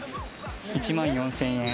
１万４０００円。